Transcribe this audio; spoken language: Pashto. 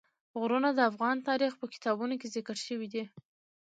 غرونه د افغان تاریخ په کتابونو کې ذکر شوی دي.